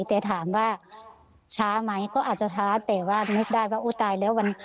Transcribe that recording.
แต่ถามว่าช้าไหมก็อาจจะช้าแต่ว่านึกได้ว่าโอ้ตายแล้ววัน